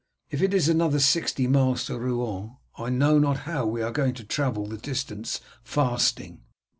If it is another sixty miles to Rouen I know not how we are going to travel the distance fasting."